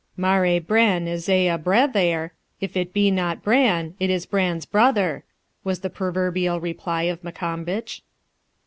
'Mar e Bran is e a brathair, If it be not Bran, it is Bran's brother,' was the proverbial reply of Maccombich.